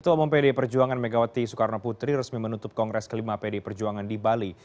ketua pdi perjuangan megawati soekarno putri resmi menutup kongres kelima pdi perjuangan di bali